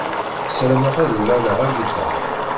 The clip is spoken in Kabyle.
Sarameɣ ad urareɣ agiṭar.